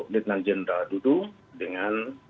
datangan jenderal dudung dengan